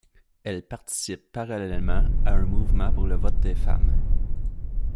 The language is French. Elle participe parallèlement à un mouvement pour le vote des femmes.